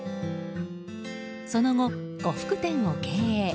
その後、呉服店を経営。